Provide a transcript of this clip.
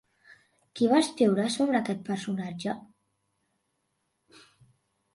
Qui va escriure sobre aquest personatge?